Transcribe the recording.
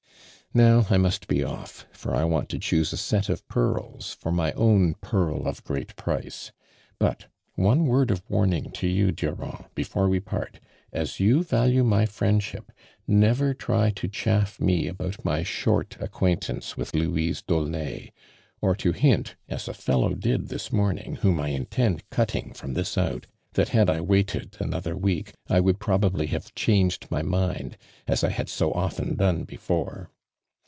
Now, 1 must be ofi', for I want to choose a set of pearls for my own pearl of gieat price ; but, one word of warning to you, DuramJ, before we part. As you value my friend ship, never try to chaff me about my short acquaintance with Louise D'Aulnay; or, to hint, as a fellow did this morning, whom 1 intend cutting from this out. that had I waited another week, I would i)robably have changed my mind, as I liad so ofte!i done before.